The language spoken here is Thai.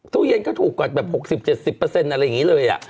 ตู้เย็นก็ถูกกว่าแบบ๖๐๗๐อะไรอย่างนี้เลย